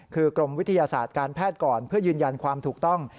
คือกรมวิทยาศาสตร์การแพทย์ก่อนเพื่อยืนยันความถูกต้อง